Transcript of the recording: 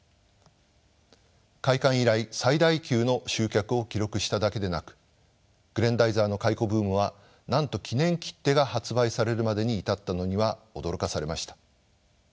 開館以来最大級の集客を記録しただけでなく「グレンダイザー」の回顧ブームはなんと記念切手が発売されるまでに至ったのには驚かされました。